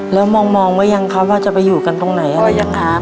แล้วมองไว้ยังครับว่าจะไปอยู่กันตรงไหนอะไรยังไง